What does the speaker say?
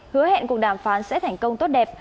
hứa hẹn cuộc đàm phán sẽ thành công tốt đẹp